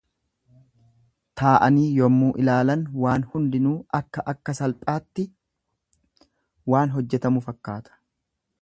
Taa'anii yemmuu ilaalan waan hundinuu akka akka salphaatti waan hojjetamu fakkaata.